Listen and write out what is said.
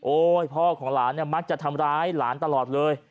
พ่อของหลานเนี่ยมักจะทำร้ายหลานตลอดเลย